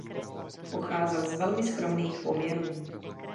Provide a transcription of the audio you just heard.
Pocházel z velmi skromných poměrů.